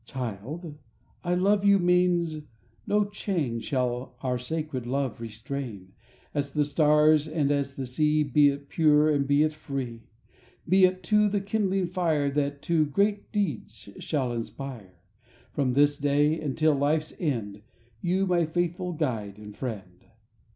Child, "I love you" means: no chain Shall our sacred love restrain, As the stars and as the sea Be it pure and be it free, Be it, too, the kindling fire That to great deeds shall inspire; From this day and till life's end You my faithful guide and friend.